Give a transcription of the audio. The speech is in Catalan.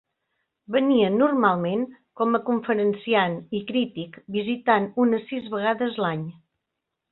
Venia normalment com a conferenciant i crític visitant unes sis vegades l'any.